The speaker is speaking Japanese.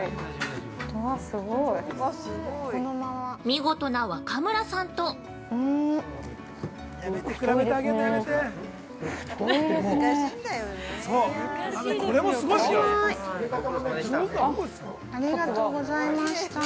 見事な若村さんと◆ありがとうございました。